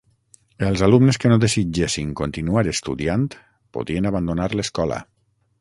Els alumnes que no desitgessin continuar estudiant podien abandonar l'escola.